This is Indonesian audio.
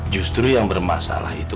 justru yang bermasalah itu